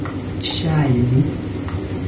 ŝajni